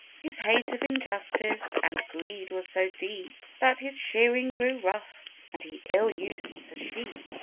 His hate of Injustice and Greed was so deep That his shearing grew rough and he ill used the sheep.